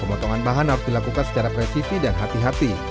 pemotongan bahan harus dilakukan secara presisi dan hati hati